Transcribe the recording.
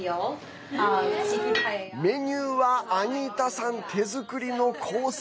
メニューはアニータさん手作りのコース